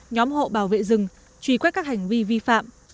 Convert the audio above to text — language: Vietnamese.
nhóm hộ bảo vệ rừng truy quét các hành vi vi phạm